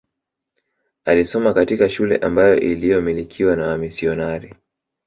Alisoma katika shule ambayo iliyomilikiwa na wamisionari